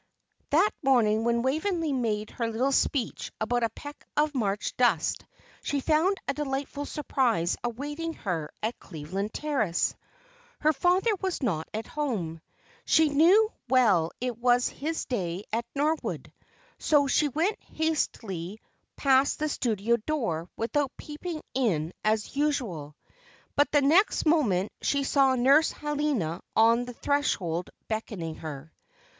That morning when Waveney made her little speech about a peck of March dust, she found a delightful surprise awaiting her at Cleveland Terrace. Her father was not at home. She knew well it was his day at Norwood, so she went hastily past the studio door without peeping in as usual; but the next moment she saw Nurse Helena on the threshold beckoning her.